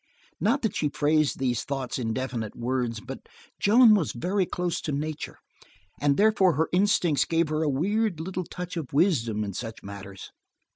Not that she phrased these thoughts in definite words, but Joan was very close to nature, and therefore her instincts gave her a weird little touch of wisdom in such matters.